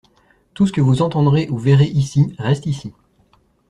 tout ce que vous entendrez ou verrez ici reste ici.